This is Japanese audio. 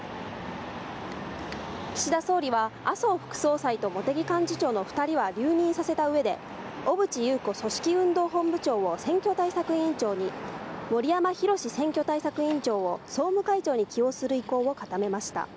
岸田総理は麻生副総裁と茂木幹事長の２人は留任させたうえで、小渕優子組織運動本部長を選挙対策委員長に、森山裕選挙対策委員長を総務会長に起用する意向を固めました。